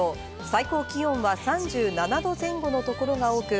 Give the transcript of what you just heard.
最高気温は３７度前後の所が多く、